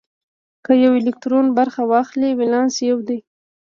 که یو الکترون برخه واخلي ولانس یو دی.